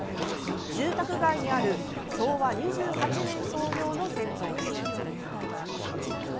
住宅街にある昭和２８年創業の銭湯です。